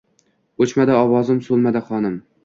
O’chmadi ovozim, so’nmadi qonim…